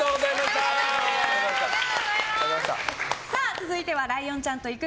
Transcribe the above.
続いてはライオンちゃんと行く！